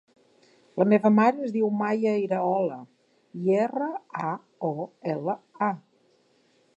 La meva mare es diu Maia Iraola: i, erra, a, o, ela, a.